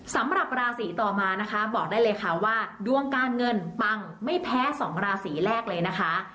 สำหรับราศีต่อมานะคะบอกได้เลยค่ะว่าดวงการเงินปังไม่แพ้สองราศีแรกเลยนะคะ